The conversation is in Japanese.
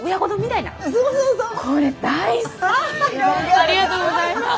ありがとうございます。